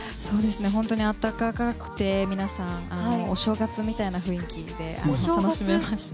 本当に温かくて、皆さん。お正月みたいな雰囲気で楽しめました。